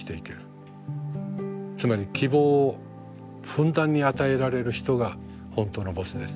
つまり希望をふんだんに与えられる人が本当のボスです。